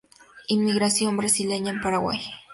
Inmigración brasileña en Paraguay